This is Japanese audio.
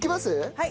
はい。